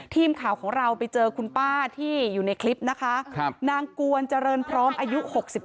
ทีมข่าวของเราไปเจอคุณป้าที่อยู่ในคลิปนะคะนางกวนเจริญพร้อมอายุ๖๒